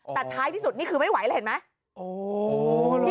แต่ท้ายที่สุดนี่คือไม่ไหวแล้วเห็นไหม